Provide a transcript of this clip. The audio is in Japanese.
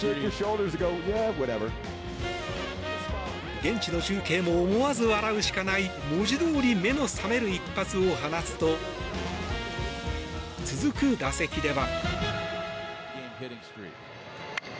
現地の中継も思わず笑うしかない文字どおり目の覚める一発を放つと続く打席では。